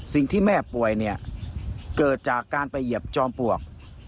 สิ่งที่แม่ป่วยเนี่ยเกิดจากการไปเหยียบจอมปลวก